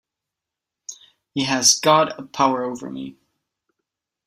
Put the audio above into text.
He has got a power over me.